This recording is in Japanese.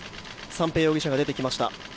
三瓶容疑者が出てきました。